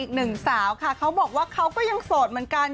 อีกหนึ่งสาวค่ะเขาบอกว่าเขาก็ยังโสดเหมือนกัน